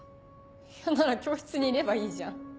いやなら教室にいればいいじゃん。